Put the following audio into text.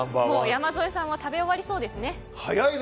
山添さんは食べ終わりそうですね。